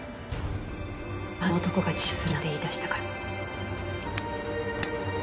あの男が自首するなんて言い出したから。